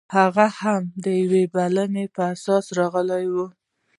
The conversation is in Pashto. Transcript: هغه هم د یوې بلنې پر اساس راغلی و